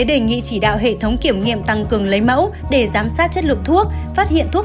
đề nghị chỉ đạo hệ thống kiểm nghiệm tăng cường lấy mẫu để giám sát chất lượng thuốc phát hiện thuốc